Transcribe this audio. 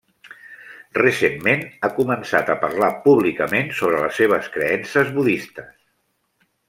Recentment ha començat a parlar públicament sobre les seves creences budistes.